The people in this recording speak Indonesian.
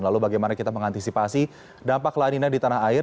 lalu bagaimana kita mengantisipasi dampak lanina di tanah air